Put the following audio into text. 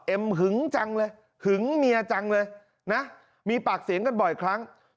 หึงจังเลยหึงเมียจังเลยนะมีปากเสียงกันบ่อยครั้ง